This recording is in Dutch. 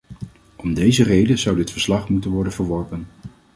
Om deze reden zou dit verslag moeten worden verworpen.